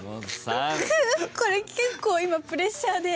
これ結構今プレッシャーで。